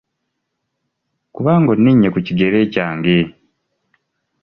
Kubanga oninnye ku kigere kyange!